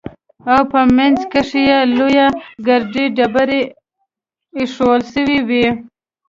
او په منځ کښې يې لويې ګردې ډبرې ايښوول سوې وې.